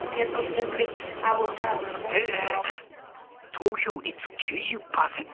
投票率９０％。